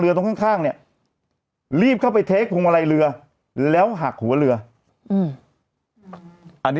อ่าอ่าอ่าอ่าอ่าอ่าอ่าอ่าอ่าอ่าอ่าอ่าอ่าอ่าอ่าอ่าอ่า